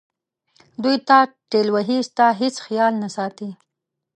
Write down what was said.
دوی تا ټېل وهي ستا هیڅ خیال نه ساتي.